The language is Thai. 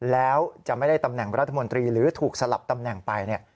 แล้วจะไม่ได้ตำแหน่งรัฐมนตรีหรือถูกสลับตำแหน่งไป